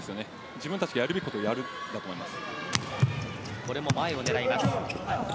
自分たちのやるべきことをやるだと思います。